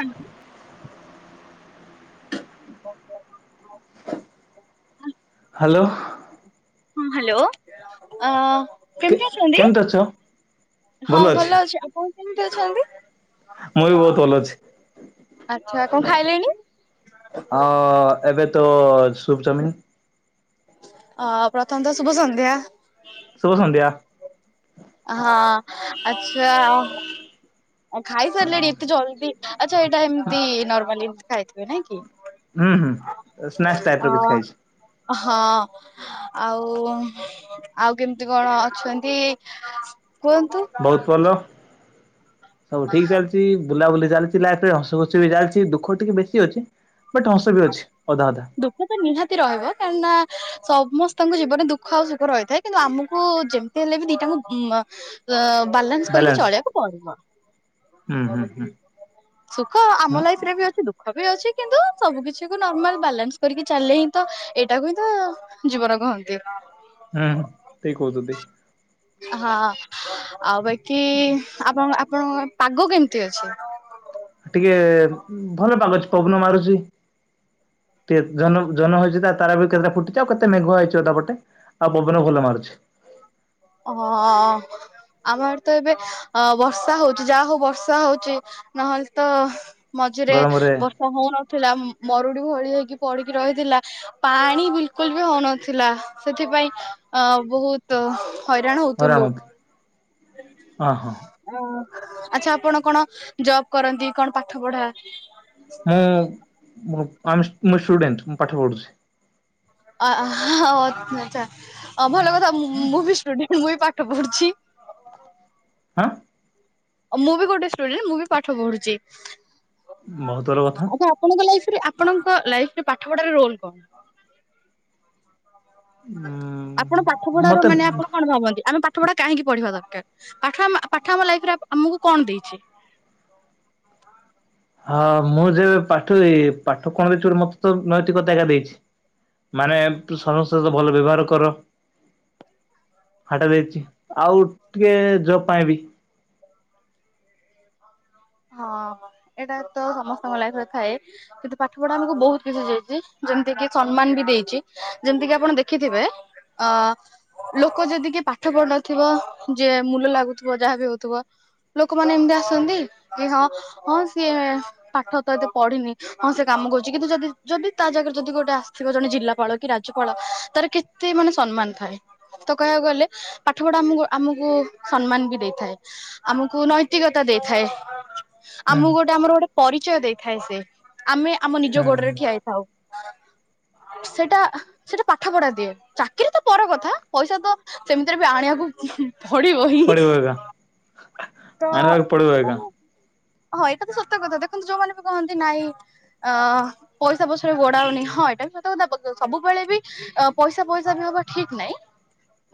Hello. [unintelligible] Hello. ହଁ hello ଅ କେ କେମିତି ଅ କେମିତି ଅଛ? ହଁ ଭଲ ଅଛି ଆପଣ କେମିତି ଅଛନ୍ତି? ମୁଁ ବି ବହୁତ ଭଲ ଅଛି। ଆଚ୍ଛା କଣ ଖାଇଲେଣି? ଅ ଏବେ ତ ସୁପ ଚାଉମିନ୍। ଅ ପ୍ରଥମ ତ ଶୁଭ ସନ୍ଧ୍ୟା। ଶୁଭ ସନ୍ଧ୍ୟା। ହଁ ଆଛା। ଆଉ ଖାଇସାରିଲେଣି ଏତେ ଜଲ୍ଦି ଆଚ୍ଛା ଏଇଟା ଏମିତି ନର୍ମାଲି ଏମିତି ଖାଇଥିବେ ନାଇଁ କି? ହୁଁ ହୁଁ ସ୍ନାକ୍ସ ଟାଇପ୍ ର କିଛି ହଁ। ଖାଇଛି। ହଁ। ଆଉ ଆଉ କେମିତି କଣ ଅଛନ୍ତି କୁହନ୍ତୁ? ବହୁତ୍ ଭଲ ସବୁ ଠିକ୍ ଚାଲିଚି। ବୁଲାବୁଲି ଚାଲିଥିଲା ଏତେ ହସ ଖୁସି ବି ଚାଲିଛି ଦୁଃଖ ଟିକେ ବେଶୀ ଅଛି ବଟ୍ ହସ ବି ଅଛି ଅଧା ଅଧା। ଦୁଃଖ ତ ନିହାତି ରହିବ କାହିଁନା ସମସ୍ତଙ୍କ ଜୀବନରେ ଦୁଃଖ ଆଉ ସୁଖ ରହିଥାଏ। କିନ୍ତୁ ଆମକୁ ଯେମିତି ହେଲେ ବି ଦିଟାଙ୍କୁ ମ ବାଲାନ୍ସ କରିକି ଚଳିଇବାକୁ ପଡିବ। ହୁଁ ହୁଁ ହୁଁ ସୁଖ ହୁଁ ଆମ ଲାଇଫ୍ ରେ ବି ଅଛି ଦୁ ଦୁଖ ବି ଅଛି କିନ୍ତୁ ସବୁ କିଛି କୁ ନର୍ମାଲ ବାଲାନ୍ସ କରିକି ଚାଲେ ହିଁ ତ ଏଇଟାକୁ ହିଁ ତ ଜୀବନ କହନ୍ତି। ହୁଁ ଠିକ୍ କହୁଛନ୍ତି। ହଁ ଆଉ ବାକି ଆପଣ ଆପଣଙ୍କ ପାଗ କେମିତି ଅଛି? ଟିକେ ଭଲ ପାଗଅଛି ପବନ ମାରୁଛି। କେତ୍ ଜହ୍ନ କୁ ଜହ୍ନ ଅଛି ତାରା ବି କେତେ ଫୁଟିଛି ଆଉ କେତେ ମେଘୁଆ ହେଇଛି ଅଧାପଟେ। ଆଉ ପବନ ଭଲ ମାରୁଛି। ହଁ। ଆମ ଆଡେ ତ ଏବେ ଅ ବର୍ଷା ହଉଛି ଯାହା ହଉ ବର୍ଷା ହଉଛି ନହେଲେ ତ ମଝିରେ ଗରମରେ ବର୍ଷା ହଉନଥିଲା ମରୁଡି ଭଳି ହେଇକି ପଡିକି ରହିଥିଲା। ପାଣି ବିଲକୁଲ୍ ବି ହଉନଥିଲା ସେଥିପାଇଁ ଅ ବହୁତ୍ ହଇରାଣ ହଉଥିଲୁ। ରାଉତ ହଁ ହଁ ଅ ଆଛା ଆପଣ କଣ ଜବ୍ କରନ୍ତି କଣ ପାଠ ପଢା ମୁଁ ମୁଁ ଆମ୍ ମୁଁ ଷ୍ଟୁଡେଣ୍ଟ ମୁଁ ପାଠ ପଢ଼ୁଛି। ଆ ହ ଆଛା ଅ ଭଲ କଥା ମୁଁ ବି ଷ୍ଟୁଡେଣ୍ଟ ମୁଁ ବି ପାଠ ପଢୁଛି। ହାଁ। ମୁଁ ବି ଗୋଟେ ଷ୍ଟୁଡେଣ୍ଟ ମୁଁ ବି ପାଠ ପଢୁଛି। ବହୁତ୍ ଭଲ କଥା। ଆଚ୍ଛା ଆପଣଙ୍କ ଲାଇଫରେ ଆପଣଙ୍କ ଲାଇଫରେ ପାଠ ପଢାର ରୋଲ କଣ? ଉଁ ଆପଣ ପାଠ ପଢାର ମତେ ମାନେ ଆପଣ କଣ ଭାବନ୍ତି ଆମେ ପା ପାଠ ପଢା କାହିଁକି ପଢ଼ିବା ଦରକାର ପାଠ ଆମ ପାଠ ଆମ ଲାଇଫ୍ ଆପ ରେ ଆମକୁ କଣ ଦେଇଛି? ହଁ ମୁଁ ଯେବେ ପାଠୋଇ ପାଠ କଣ ଭିତରୁ ମତେ ତ ନୈତିକତା ଏକା ଦେଇଛି। ମାନେ ତୁ ସମସ୍ତଙ୍କ ସହ ଭଲ ବ୍ୟବହାର କର ହାଟା ଦେଇଛି। ଆଉ ଟିକେ ଜବ୍ ପାଇଁ ବି ହଁ ଏଟା ତ ସମସ୍ତଙ୍କ ଲାଇଫରେ ଥାଏ। କିନ୍ତୁ ପାଠ ପଢା ଆମକୁ ବହୁତ କିଛି ଦେଇଛି ଯେମିତି କି ସମ୍ମାନ ବି ଦେଇଛି ଯେମିତି କି ଆପଣ ଦେଖିଥିବେ? ଅ। ଲୋକ ଯଦି କିଏ ପାଠ ପଢ଼ୁନଥିବ ଯେ ମୁୂଲ ଲାଗୁଥିବ ଯାହା ବି ହଉଥିବ ଲୋକମାନେ ଏମତି ଆସନ୍ତି କି ହଁ ହଁ ସିଏ ପାଠ ତ ଏତେ ପଢିନି ହଁ ସେ କାମ କରୁଛି କିନ୍ତୁ ଯଦି ଯଦି ତା ଜାଗାରେ ଯଦି ଗୋଟେ ଆସିଥିବ ଜଣେ ଜିଲ୍ଲାପାଳ କି ରାଜ୍ୟପାଳ ତାର କେ ତେ ମାନେ ସମ୍ମାନ ଥାଏ। ସତ କହିବାକୁ ଗଲେ ପାଠ ପଢା ଆମକୁ ଆମକୁ ସମ୍ମାନ ବି ଦେଇଥାଏ ଆମକୁ ନୈତିକ ତା ଦେଇଥାଏ ହୁଁ ଆମକୁ ଗୋଟେ ଆମର ଗୋଟେ ପରିଚୟ ଦେଇଥାଏ ସେ ଆମେ ଆମ ନିଜ ହୁଁ ଗୋଡରେ ହୁଁ ଠିଆ ହେଇ ଥାଉ ସେଟା ସେଟା ପାଠ ପଢା ଦିଏ ଚାକିରି ତ ପର କଥା ପଇସା ତ ସେମିତିରେ ବି ଆଣିବାକୁ ଉହୁଁ ପଡିବ ହିଁ ହିଁ ଇ ତ ଆଣିବାକୁ ପଡିବ ଏକା ହଁ ଏଟା ତ ସତ କଥା ଦେଖନ୍ତୁ ଯୋଉମାନେ ବି କହନ୍ତି ନାଇଁ ଅ ପଇସା ପଛରେ ଗୋଡାଅନି ହଁ ଏଟା ବି ସତ କଥା ସବୁବେଳେ ବି ଅ ପଇସା ପଇସା ବି ହବା ଠିକ ନାଇଁ।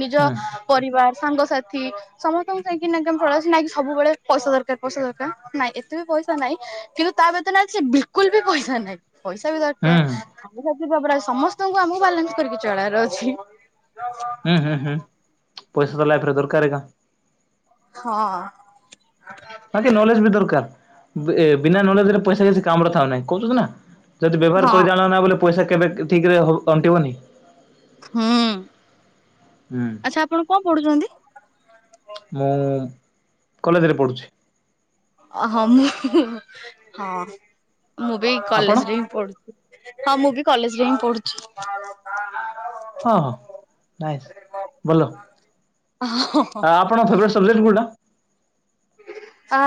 ନିଜ ହୁଁ ପରିବାର ସାଙ୍ଗସାଥି ସମସ୍ତଙ୍କୁ ଯାଇକିନା [inaudible] ଫଳ ନ ସବୁବେଳେ ପଇସା ଦରକାର ପଇସା ଦରକାର ନାଇଁ ଏତେ ବି ପଇସା ନାଇଁ କିନ୍ତୁ ତା ବ୍ୟତୀତ ନାଇଁ ସେ ବିଲକୁଲ ବି ପଇସା ନାହିଁ ପଇସା ବି ହୁଁ ହୁଁ ଦରକାର। ବାବ [inaudible] ପ୍ରାୟ ସମସ୍ତଙ୍କୁ ଆମକୁ ବାଲାନ୍ସ କରିକି ଚଳାଇବାର ଅଛି। ହୁଁ ହୁଁ ହୁଁ ପଇସା ତ ଲାଇଫରେ ଦରକାର ଏକା। ହଁ ଅଁ। ବାକି ନଲେଜ ବି ଦରକାର ଏ ବିନା ନଲେଜରେ ପଇସା କିଛି କାମରେ ଥାଉ ନାହିଁ କହୁଚନ୍ତି ନା? ଯଦି ବ୍ୟବହାର ହଁ କରି ଜାଣ ନା ବୋଲେ ପଇସା କେବେ ଠିକରେ ଅଣ୍ଟିବନି। ହୁଁ ହୁଁ। ଆଛା ଆପଣ କଣ ପଢୁଛନ୍ତି? ମୁଁ କଲେଜରେ ପଢ଼ୁଛି। ଅ ହଁ ମୁଁ ହଁ ମୁଁ ବି ଆପଣ କଲେଜରେ ହିଁ ପଢୁଛି। ହଁ ମୁଁ ବି କଲେଜରେ ହିଁ ପଢୁଛି। ହଁ ହଁ ନାଇସ ବୋଲ ଆପ ଆପଣ ଫେବରାଇଟ ସବଜେକଟ କଉଟା? ଆ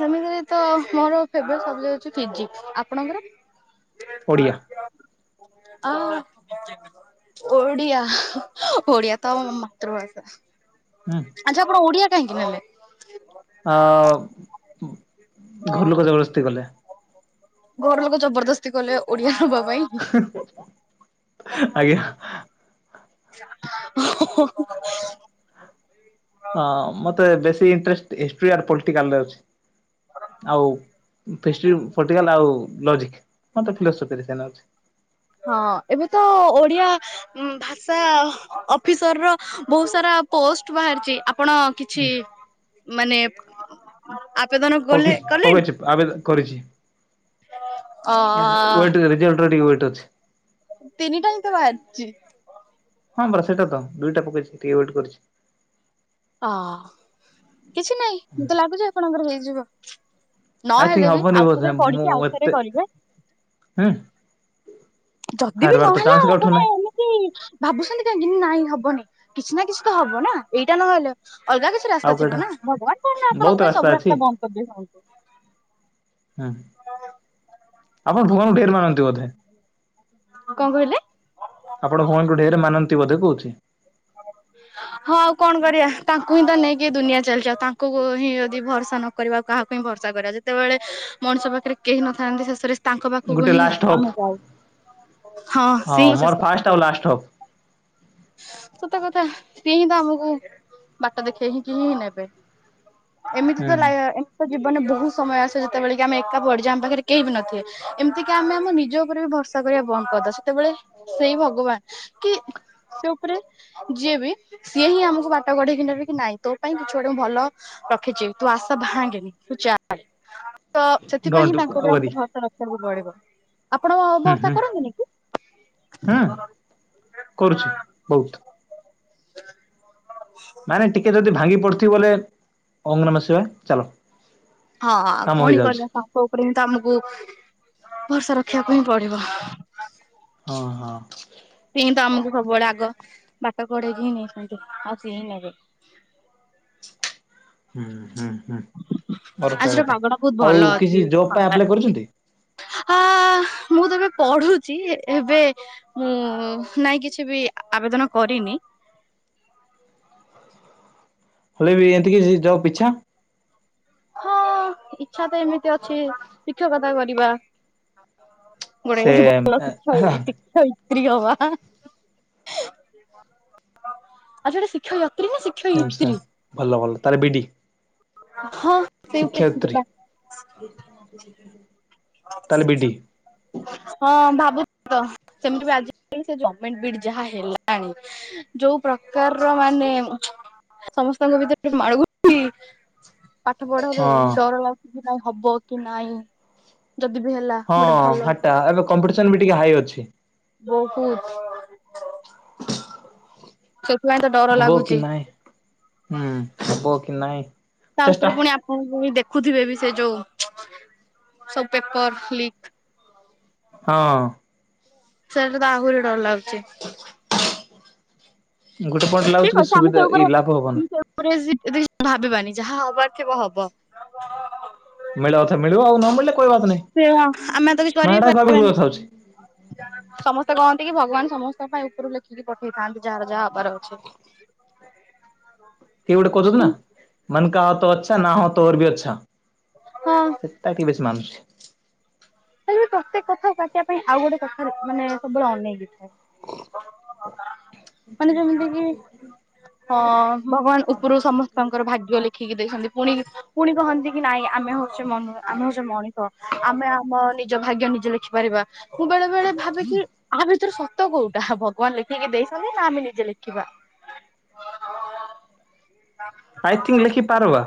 ସେମିତିରେ ତ ମୋର ଫେବରଟ୍ ସବଜେକ୍ଟ ହଉଛି ପିଜି। ଆପଣଙ୍କର? ଓଡ଼ିଆ। ଆହା। ଓଡ଼ିଆ ହେ ଅ ଓଡ଼ିଆ ତ ଆମ ମାତୃଭାଷା। ହୁଁ ଆଜି ଆପଣ ଓଡିଆ କାହିଁକି ନେଲେ? ଅ ଘର ଲୋକ ଜବରଦସ୍ତି କଲେ। ଘର ଲୋକ ଜବରଦସ୍ତି କଲେ ଓଡିଆ ନବା ପାଇଁ। ଆଜ୍ଞା। ଓହୋ ହୋ ହୋ ହଁ ମତେ ବେଶୀ ଇଣ୍ଟରେଷ୍ଟ ହିଷ୍ଟ୍ରି ଆର ପଲିଟିକାଲରେ ଅଛି। ଆଉ ଫିଷ୍ଟ୍ରି ପଲ୍ଟିକାଲ ଆଉ ଲଜିକ ମୋରତ ଫିଲୋସଫି ରେ ସ୍ଥାନ ଅଛି। ହଁ ଏବେ ତ ଓଡିଆ ଭାଷା ଅଫିସର ର ବହୁତ ସାରା ପୋଷ୍ଟ ବାହାରିଚି ଆପ ଆପଣ କିଛି ମାନେ ଆବେଦନ କଲେ ପକେଇଛି କଲେଣି? ପକେଇଛି ଆବେଦ କରିଛି। ଅ ୱେଟ କରି ରେଜଲ୍ଟ ର ଟିକେ ୱେଟ ଅଛି। ତିନିଟାହିଁ ତ ବାହାରିଚି। ହଁ ପରା ସେଟା ତ ଦୁଇଟା ପକେଇଛି ଟିକେ ୱେଟ କରିଛି। ଓ ହ କିଛି ନାଇଁ ମତେ ଲାଗୁଛି ଆପଣଙ୍କର ହେଇଯିବ। ଆଇ ଥିଙ୍କ୍ ନହେଲେ ବି, ହବନି ବୋଧେ ଆଉଥରେ ମୁଁ ପଢିକି ଏତେ ଆଉଥରେ କରିବେ। ହୁଁ। ଯଦି ବି ହାରିବାର ତ ନହେଲା, ଚାନ୍ସ କାଉଠୁ ଆପଣେ ନାହିଁ ଏନେ ଇ ଭାବୁସନ୍ତି କାହିଁକି, ନାଇଁ ହବନି। କିଛି ନା କିଛି ତ ହବ ନା, ଏଇଟା ନହେଲେ, ଅଲଗା କିଛି ଆଉ ରାସ୍ତା କାଇଠା ଥିବ ନା। ଭଗବାନ କାଇଁ ନା, ବହୁତ ଆପଣଙ୍କ ପାଇଁ ସବୁ ଅଛି ରାସ୍ତା ବନ୍ଦ କରିଦେଇସନ୍ତି। ହୁଁ, ଆପଣ ଭଗାନଙ୍କୁ ଢେର ମାନନ୍ତି ବୋଧେ! କଣ କହିଲେ? ଆପଣ ଭଆନଙ୍କୁ ଢେର ମାନନ୍ତି, ବୋଧେ କହୁଛି। ହୁଁ ହଁ, ଆଉ କଣ କରିଆ? ତାଙ୍କୁ ହିଁ ତ ନେଇକି ଦୁନିଆ ଚାଲିଚି। ଆଉ ତାଙ୍କୁ ହିଁ ଯଦି ଭରସା ନ କରିବାଉ କାହାକୁ ହିଁ ଭରସା କରିବା! ଯେତେବେଳେ ମଣିଷ ପାଖରେ କେହି ନଥାନ୍ତି। ଶେଷରେ ସେ ତାଙ୍କ ପାଖକୁ ଗୋଟେ ହିଁ ଲାଷ୍ଟ ହପ୍ ଆମେ ଯାଉ। ହଁ, ସିଏ ମୋ ଶେଷ ମୋର ଫାଷ୍ଟ ଆଉ ଆସ। ଲାଷ୍ଟ ହପ୍ ସତ କଥା ସିଏ ହିଁ, ତ ଆମକୁ ବାଟ ଦେଖେଇ ହିଁ କି ନେବେ। ଏମିତି ହୁଁ। ତ ଲାୟ ଏ ଜୀବନରେ ବହୁତ ସମୟ ଆସେ। ଯେତେବେଳେ କି ଆମେ ଏକା ପଡିଯିବା, ଆମ ପାଖରେ କେହି ବି ନଥିବେ। ଏମିତିକ ଆମେ ଆମ ନିଜ ଉପରେ ବି ଭରସ୍ ସା କରିବା ବନ୍ଦ କରିଦବା। ସେତେବେଳେ ସେଇ ଭଗବାନ, କି ସେ ଉପରେ ଯିଏ ବି, ସିଏ ହିଁ ଆମକୁ ବାଟ କଢେଇକି ନେବେ, କି ନାହିଁ ତୋ ପାଇଁ, କିଛି ଗୋଟେ ମୁଁ ଭଲ ରଖିଛି ତୁ ଆଶା ଭାଆଙ୍ଗେନି ତୁ ଚାଲ। ତ ସେଥିପାଇଁ ହିଁ, ଡୋଣ୍ଟ ତାଙ୍କ ଉପରେ ୱରି ଆମକୁ ଭରସା ରଖିବାକୁ ପଡିବ। ଆପଣ ହୁଁ ହୁଁ ଭରସା କରନ୍ତିନି କି? ହୁଁ କରୁଛି ବହୁତ। ମାନେ ଟିକେ ଯଦି ଭାଙ୍ଗି ପଡିଥିବ, ବଲେ, ଓଙ୍ଗ୍ ନମ ଶିବାୟ ଚାଲ। ହଁ, ଆଉ କାମ କଣି ହେଇଯାଉଛି କରିବା ପା? କୋଉ ଉପରେ ହିଁ ତ ଆମକୁ, ଭରସା ରଖିବାକୁ ହିଁ ପଡିବ। ହଁ ହଁ। ସିଏଁ ତ ଆମକୁ ସବୁବେଳେ ଆଗ, ବାଟ ପଢେଇକି ହିଁ ନେଇଛନ୍ତି। ଆଉ ସିଏ ହିଁ ନେବେ। ହୁଁ, ହୁଁ, ହୁଁ, ପର ରଖିବା ଆଜିର କଥା। ପାଗଟା ବହୁତ ଭଲ ଆଉ, ଅଛି କିଛି ଜବ୍ ପାଇଁ ଥଣ୍ଡା ଆପ୍ଲାଏ କରୁଛନ୍ତି? ଆ ହା ମୁଁ ତ ଏବେ ପଢୁଛି। ଏବେ ମୁଁ ନାଇଁ, କିଛି ବି ଆବେଦନ କରିନି। ହଲେ ବି ଏମତିକ ଜବ୍ ପିଛା। ହଁ, ଇଛା ତ ଏମିତି ଅଛି, ଶିକ୍ଷକତା କରିବା। ଗୋଟେ ସେ ଭଲ ଶିକ୍ଷାଇ ଶିକ୍ଷଇ ତ୍ରୀ ହବା। ଆଛା, ଟେ ଶିକ୍ଷୟତ୍ରୀ ନା ଶିକ୍ଷ୍ ସେମ୍ ସେମ୍ ଭଲ, ଭଲ, ତାଲେ ବି ଡ଼ି। ହଁ। ସେଇଟେ ଶିକ୍ଷୟିତ୍ରୀ। ଯିବା ହଁ, ଭାବୁଚି ତ! ସେମିତି ବି ଆଜି [inaudible] ସେ ଜମେଣ୍ଟ ବି ଇ ଡ଼ି ଯାହା ହେଲାଣି, ଯୋଉ ପ୍ରକାରର ମାନେ ସମସ୍ତଙ୍କ ଭିତରେ ଟେ ମାଳ ଗୁନ୍ଥି ପାଠ ପଢରେ, ହଁ ଡର ଲାଗୁଛି କି ନାଇଁ ହବ କି ନାଇଁ, ଯଦି ବି ହେଲା ହଁ, ଗୋଟେ ଭଲ ହାଟା ଏବେ କମ୍ପିଟିସନ ବି ଟିକେ ହାଇ ଅଛି। ବହୁତ୍। ସେତ୍ ହବୋ କି ନାହିଁ, ହୁଁ ହବ କି ନାଇଁ ଚେଷ୍ଟା ହଁ, [unintelligible] ଦେଖୁଥିବେ, ବି ସେ ଯୋଉ ସବୁ ପେପର ଲିକ୍। ହଁ। ସେଟା ତ, ଆହୁରି ଡର ଲାଗୁଛି। [inaudible] ଗୋଟେ ପଏଣ୍ଟ ଲାଗୁଛି କି ସୁବିଧା-ଇ ଲାଭ ହବନି। ଗୋଟେ ସି [inaudible] ଭାବିବାନି ଯାହା ହବାର ଥିବ ହବ। ମିଳିବା କଥା ମିଳିବ ଆଉ ନ ମିଳିଲେ କୋଇ ବାତ ନଇଁ। ସେ ହଁ ଆମେ ତ କିଛି କରିି ପାରିବାନି। ହଉଛି ସମସ୍ତେ କହନ୍ତି କି ଭଗବାନ ସମସ୍ତଙ୍କ ପାଇଁ ଉପରୁ ଲେଖିକି ପଠେଇଥାନ୍ତି ଯାହାର ଯାହା ହବାର ଅଛି। କିଏ ଗୋଟେ କହିଦଉଚି ନା କିନ୍ତୁ ମନ କା ହୋ ତୋ ଅଚ୍ଛା ନା ହୋ ତୋ ଓର ବିି ଅଚ୍ଛା। ହଁ। ସେଟା କିଏ ବେଶୀ ମାନୁଛି? ହେଲେ ବି ପ୍ରତ୍ୟେକ କଥାକୁ କାଟିବା ପାଇଁ ଆଉ ଗୋଟେ କଥା ର ମାନେ ସବୁବେଳେ ଅନେଇକି ଥାଏ। [inaudible] ମାନେ ଯେମିତି କି ହଁ ଭଗବାନ ଉପରୁ ସମସ୍ତଙ୍କର ଭାଗ୍ୟ ଲେ ଖିକି ଦେଇଛନ୍ତି ପୁଣି ପୁଣି କହନ୍ତି କି ନାଇଁ ଆମେ ହଉଛେ ମ ନୁ ଆମେ ହଉଛେ ମଣିଷ ଆମେ ଆମ। ନିଜ ଭାଗ୍ୟ ନିଜେ ଲେଖିପାରିବା ମୁଁ ବେଳେ ବେଳେ ଭାବେ କି। ଆ ଭିତରେ ସତ କୋଉଟା ହବ ଭଗବାନ ଲେଖିକି ଦେଇଛନ୍ତି ନା ଆମେ ନିଜେ ଲେଖିବା? ଆଇଥିଙ୍କ ଲେଖି ପାରବା।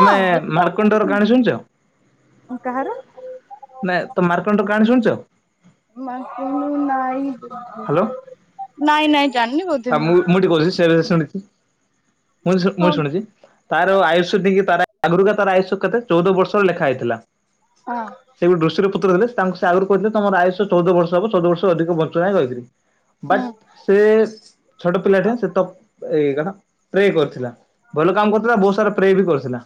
ତମେ ମାର୍କଣ୍ଡର କାହାଣୀ ଶୁଣିଛ? ଉଁ କାହାର? ନାଇଁ ତମେ ମାର୍କଣ୍ଡ କାହାଣି ଶୁଣିଛ? ମାର୍କଣ୍ଡ ନାଇଁ ବୋଧେ ନାଇଁ ନାଇଁ ଜାଣିନି ବ ଆଉ ମୁଁ ମୁଁ ଟିକେ କହୁଛି ସେ ରେ ଶୁଣିଛି ମୁଁ ଶୁ ମୁଁ ହଁ ଶୁଣିଛି। ତାର ଆୟୁଷ [unintelligible] ତାର ଆଗରୁ ଏକା ତାର ଆୟୁଷ କେତେ ଚଉଦ ବର୍ଷର ଲେଖା ହେଇଥିଲା। ହଁ। ସେ ଗୋଟେ ଋଷି ର ପୁତ୍ର ଥିଲେ ତାଙ୍କୁ ସେ ଆଗରୁ କହିଥିଲେ ତମର ଆୟୁଷ ଚଉଦ ବର୍ଷ ହେବ ଚଉଦ ବର୍ଷରୁ ଅଧିକ ବଞ୍ଚିବା ପାଇଁ କହିଥିଲି। ବଟ ହୁଁ ସେ ଛୋଟ ପିଲା ଟେ ସେ ତ ଇ କଣ। ପ୍ରେ କରିଥିଲା ଭଲ କାମ କରୁଥିଲା ବହୁତ ସାରା ପ୍ରେ ବି କରିଥିଲା।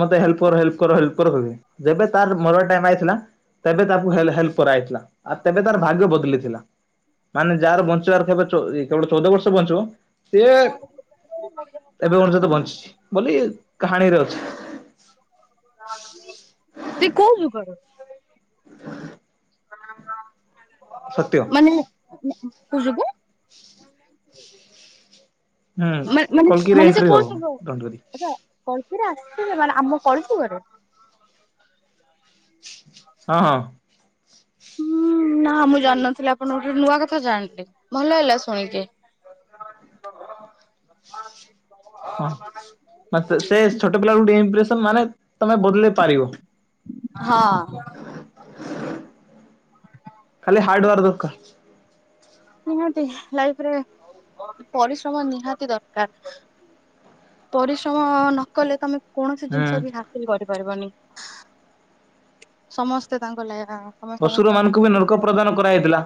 ମତେ ହେଲ୍ପ କର ହେଲ୍ପ କର ହେଲ୍ପ କର [unintelligible] ଯେବେ ତାର ମରିବା ଟାଇମ ଆଇଥିଲା। ତେବେ ତାକୁ ହେଲ ହେଲ୍ପ କରାହେଇଥିଲା ଆ ତେବେ ତାର ଭାଗ୍ୟ ବଦଲିଥିଲା। ମାନେ ଯାହାର ବଞ୍ଚିବାର ଥିବ ଚୋ ଇ କେବଳ ଚଉଦ ବର୍ଷ ବଞ୍ଚିବ ସିଏ। ଏବେ ପର୍ଯ୍ୟନ୍ତ ବଞ୍ଚିଛି ବୋଲି କାହାଣୀରେ ଅଛି। ଏ କୋଉ ଯୁଗର? ସତ୍ୟ। ମାନେ। କଉ ଯୁଗ? ହୁଁ ମା-ମାନେ କଲକିରେ ମାନେ ସେ ଏଣ୍ଟ୍ରି ହବ କଉ ଯୁଗ ଦଣ୍ଡରି ର? କଳକି ରେ ଆସିଥିଲେ ମାନେ ଆମ କଳିଯୁଗ ରେ। ହଁ ହଁ। ହୁଁ ନା ମୁଁ ଜାଣିନଥିଲି ଆପଣଙ୍କ ଠୁ ନୂଆ କଥା ଜାଣିଲି ଭଲ ହେଲା ଶୁଣିକି। ହଁ ମା ତେ ସେ ଛୋଟ ପିଲା ଗୁଟେ ଇମ୍ପ୍ରେସନ ମାନେ ତମେ ବଦଳେଇ ପାରିବ। ହଁ। ଖାଲି ହାର୍ଡୱାର ଦରକାର। ନିହାତି ଲାଇଫ ରେ ପରିଶ୍ରମ ନିହାତି ଦରକାର। ପରିଶ୍ରମ ନ କଲେ ତମେ କୌଣସି ଜିନିଷ ବି ହା ହାସିଲ କରିପାରିବନି ସମସ୍ତେ ତାଙ୍କ ଲେୟା। ଅଶୁର ମାନଙ୍କୁ ବି ନର୍କ ପ୍ରଦାନ କରାହେଇଥିଲା।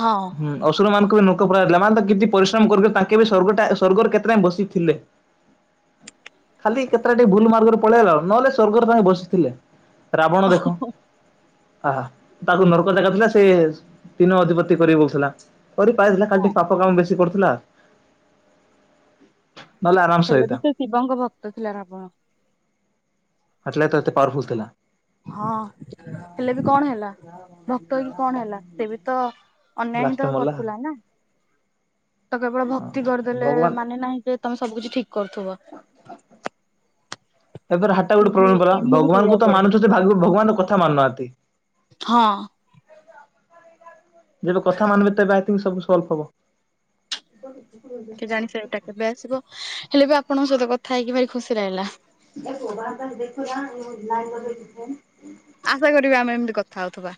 ହଁ। ହୁଁ ଅସୁର ମାନଙ୍କୁ ବି ନର୍କ ପୁରା ହେଇଥିଲା ମାନେ ତ କିଛି ପରିଶ୍ରମ କରିବେ ତାଙ୍କେ ବି ସ୍ଵର୍ଗଟା ସ୍ଵର୍ଗର କେତେ ଟାଇମ ବସି ଥିଲେ। ଖାଲି କେତେଟା ଟିକେ ଭୁଲ ମାର୍ଗରେ ପଳେଇଆଇଲା ନହେଲେ ସ୍ଵର୍ଗରେ ତାଙ୍କେ ବସିଥିଲେ। ରାବଣ ଦେଖ ଆହା ତାକୁ ନର୍କ ଜାଗା ଥିଲା ସେ ତିନି ଅଧିପ ତି କରି ବୁଲୁଥିଲା କରି ପାରିଲା ଖାଲି ହଁ। ଟିକେ ପାପ କାମ ବେଶୀ କରୁଥିଲା। ନହେଲେ ଆରାମ ହେଲେ ହେଇତା ବି ସେ ଶିବଙ୍କ ଭକ୍ତ ଥିଲା ରାବଣ। ହେଥିଲାଗି ତ ଏତେ ପାୱାର ଫୁଲ ଥିଲା। ହଁ ହେଲେ ବି କଣ ହେଲା। ଭକ୍ତ ହେଇକି କଣ ହେଲା ସେ ବି ତ ଅନ୍ୟାୟ ହିଁ ଲାଷ୍ଟରେ ତ ମଲା। କରୁଥିଲା ନା। [inaudible] ତ କେବଳ ହଁ ଭକ୍ତି କରିଦେଲେ ଭଗବାନ ମାନେ ନାହିଁ ଯେ ତମେ ସବୁ କିଛି ଠିକ୍‌ କରୁଥିବ। [unintelligible] ହାଟା ଗୋଟେ କର୍ମ ବି ପ୍ରୋବ୍ଲେମ ପରା କରିବାକୁ ଭଗବାନଙ୍କୁ ତ ପଡିବ ମାନୁଚ ଯେ ଭଗବାନଙ୍କ କଥା ମାନୁନାହାନ୍ତି। ହଁ। ଯେବେ କଥା ମାନିବେ ତେବେ ଆଇ ଥିଙ୍ଗ ସବୁ ସଲଭ୍ ହେବ। [unintelligible] କେଜାଣି [unintelligible] କେବେ ଆସିବ। ହେଲେ ବି ଆପଣଙ୍କ ସହିତ କଥା ହେଇକି ଭାରି ଖୁସି ଲାଗିଲା। [unintelligible] ଆଶା କରିବି ଆମେ ଏମତି କଥା ହଉଥିବା।